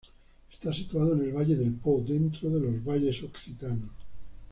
Está situado en el valle del Po, dentro de los Valles Occitanos.